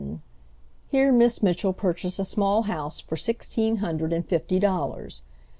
Here Miss Mitchell purchased a small house for sixteen hundred and fifty dollars.